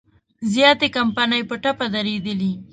زیاتې کمپنۍ په ټپه درېدلي.